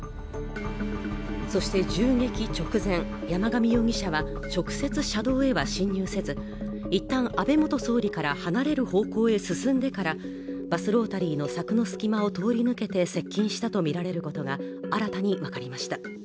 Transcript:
そして銃撃直前、山上容疑者は直接車道へは進入せずいったん安倍元総理から離れる方向へ進んでからバスロータリーの柵の隙間を通り抜けて接近したとみられることが新たに分かりました。